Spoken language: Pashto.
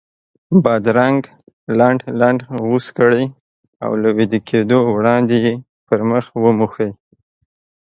بادرنګ لنډ لنډ غوڅ کړئ او له ویده کېدو وړاندې یې پر مخ وموښئ.